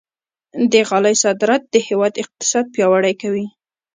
د غالۍ صادرات د هېواد اقتصاد پیاوړی کوي.